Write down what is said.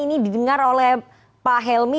ini didengar oleh pak helmi